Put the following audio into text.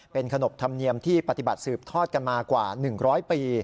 เป็นขนบธรรมเนียมที่ปฏิบัติสืบทอดกันมากว่า๑๐๐ปี